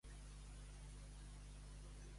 Poder anar darrere un combregar.